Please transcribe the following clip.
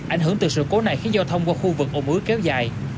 ảnh hưởng từ sự cố này khiến giao thông qua khu vực ô ứ kéo dài